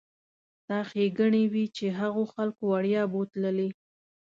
ستا ښېګڼې وي چې هغو خلکو وړیا بوتللې.